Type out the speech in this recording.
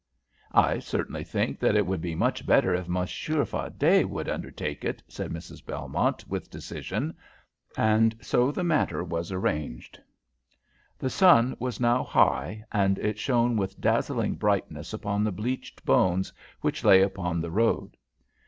"I certainly think that it would be much better if Monsieur Fardet would undertake it," said Mrs. Belmont, with decision, and so the matter was arranged. The sun was now high, and it shone with dazzling brightness upon the bleached bones which lay upon the road.